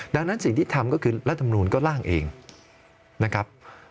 ดังนั้นสิ่งที่ทำก็คือรัฐมนูลก็ล่างเองนะครับ